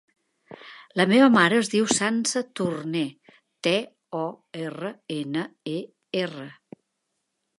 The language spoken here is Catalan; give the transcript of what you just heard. La meva mare es diu Sança Torner: te, o, erra, ena, e, erra.